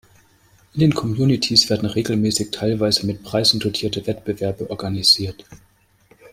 In den Communitys werden regelmäßig teilweise mit Preisen dotierte Wettbewerbe organisiert.